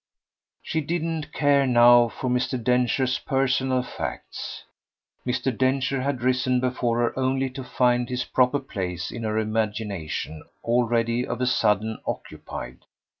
She didn't care now for Mr. Densher's personal facts. Mr. Densher had risen before her only to find his proper place in her imagination already of a sudden occupied.